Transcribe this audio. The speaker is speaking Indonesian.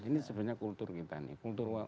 ini sebenarnya kultur kita nih kultural